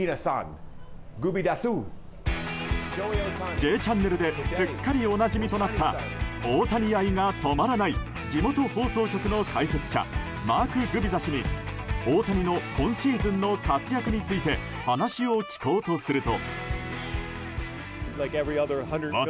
「Ｊチャンネル」ですっかりおなじみとなった大谷愛が止まらない地元放送局の解説者マーク・グビザ氏に大谷の今シーズンの活躍について話を聞こうとすると。